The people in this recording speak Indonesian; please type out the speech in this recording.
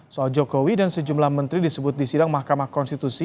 soal jokowi dan sejumlah menteri disebut di sidang mahkamah konstitusi